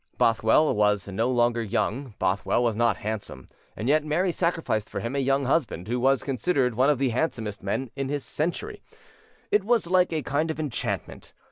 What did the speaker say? Bothwell was no longer young, Bothwell was not handsome, and yet Mary sacrificed for him a young husband, who was considered one of the handsomest men of his century. It was like a kind of enchantment.